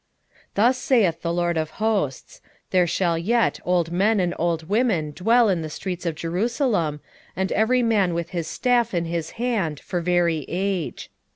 8:4 Thus saith the LORD of hosts; There shall yet old men and old women dwell in the streets of Jerusalem, and every man with his staff in his hand for very age.